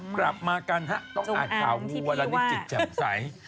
กลับมากันฮะต้องอาจขาวงูอันนี้จิตจำใส